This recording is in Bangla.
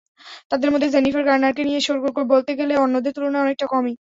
তাঁদের মধ্যে জেনিফার গার্নারকে নিয়ে শোরগোল বলতে গেলে অন্যদের তুলনায় অনেকটা কমই।